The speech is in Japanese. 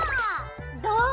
どう？